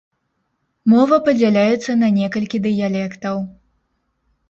Мова падзяляецца на некалькі дыялектаў.